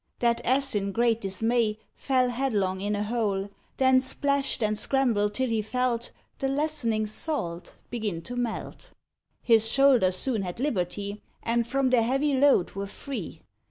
That Ass in great dismay Fell headlong in a hole; Then plashed and scrambled till he felt The lessening salt begin to melt; His shoulders soon had liberty, And from their heavy load were free.